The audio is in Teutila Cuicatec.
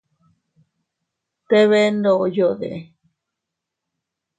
¿Te bee ndoyode?